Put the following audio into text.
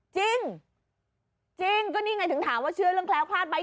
จริงจริงก็นี่ไงถึงถามว่าเชื่อเรื่องแคล้วคลาดไหม